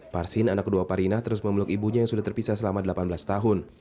parsin anak kedua parinah terus memeluk ibunya yang sudah terpisah selama delapan belas tahun